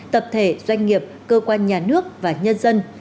tập thể doanh nghiệp cơ quan nhà nước và nhân dân